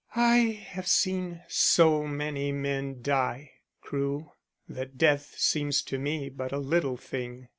"I have seen so many men die, Crewe, that death seems to me but a little thing.